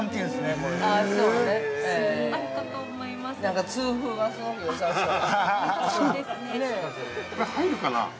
◆これ、入るかな？